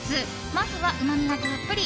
まずは、うまみがたっぷり。